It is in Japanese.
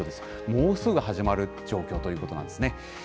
もうすぐ始まる状況ということなんですね。